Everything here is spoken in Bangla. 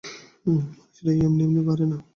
মানুষের আয়ু এমনি এমনি বাড়ে না।